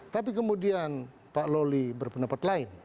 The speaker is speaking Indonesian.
tapi kemudian pak loli berpendapat lain